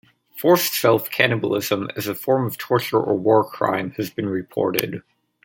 Forced self-cannibalism as a form of torture or war crime has been reported.